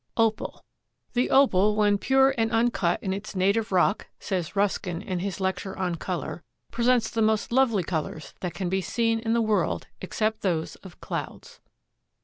OPAL. "The Opal, when pure and uncut in its native rock," says Ruskin in his lecture on Color, "presents the most lovely colors that can be seen in the world except those of clouds."